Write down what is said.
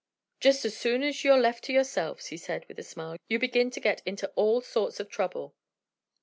"Just as soon as you're left to yourselves," he said with a smile, "you begin to get into all sorts of trouble!"